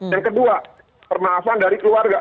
yang kedua permaafan dari keluarga